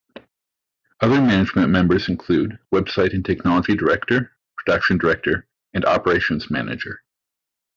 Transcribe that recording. Other management members include Website and Technology Director, Production Director, and Operations Manager.